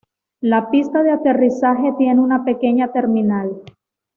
La pista de aterrizaje tiene una pequeña terminal.